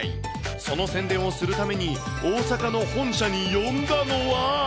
その宣伝をするために、大阪の本社に呼んだのは。